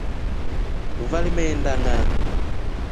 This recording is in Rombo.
Ruva limeenda ngʼaa.